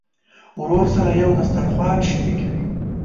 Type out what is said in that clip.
ورور سره یو دسترخوان شریک وي.